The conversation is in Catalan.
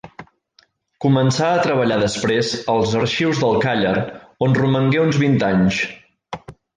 Començà a treballar després als arxius de Càller on romangué uns vint anys.